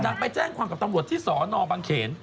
ไปแจ้งความกับตำรวจที่สนบังเขน